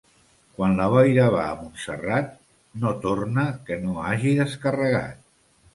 Quan la boira va a Montserrat, no torna que no hagi descarregat.